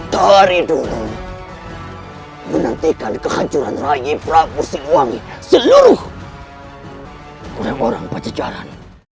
dari dulu menantikan kehancuran rakyat prabowo siluang seluruh orang orang pencejaran